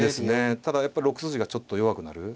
ただやっぱり６筋がちょっと弱くなる。